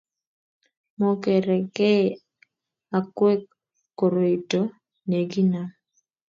Mokerei akwek koroito nekinam?